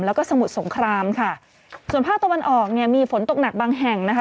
แล้วก็สมุทรสงครามค่ะส่วนภาคตะวันออกเนี่ยมีฝนตกหนักบางแห่งนะคะ